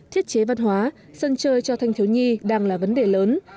thiết chế văn hóa sân chơi cho thanh thiếu nhi đang là vấn đề lớn